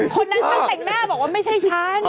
คนนั้นช่างแต่งหน้าบอกว่าไม่ใช่ช้าง